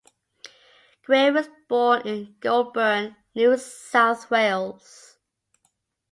Gray was born in Goulburn, New South Wales.